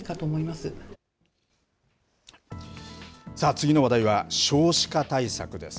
次の話題は少子化対策です。